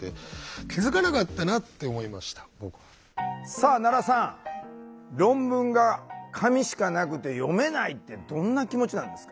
さあ奈良さん論文が紙しかなくて読めないってどんな気持ちなんですか？